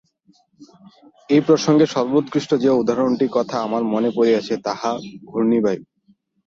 এই প্রসঙ্গে সর্বোৎকৃষ্ট যে উদাহরণটির কথা আমার মনে পড়িতেছে, তাহা ঘূর্ণিবায়ু।